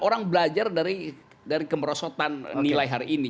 orang belajar dari kemerosotan nilai hari ini